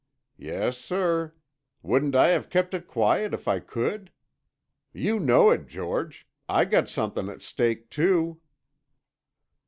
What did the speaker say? Yes, sir. Wouldn't I have kept it quiet if I could? You know it, George. I got somethin' at stake, too."